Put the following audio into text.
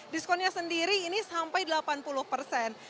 diskonnya sendiri ini sampai delapan puluh persen